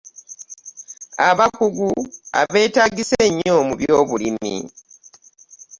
Abakugu ebeetaagisa nnyo mu byobulimi.